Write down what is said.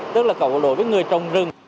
tức là cầu đổi với người trồng rừng